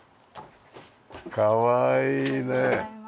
かわいいね。